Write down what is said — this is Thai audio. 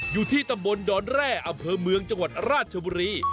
อยู่ที่ตำบลดอนแร่อำเภอเมืองจังหวัดราชบุรี